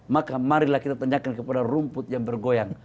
maka marilah kita tanyakan kepada rumput yang bergoyang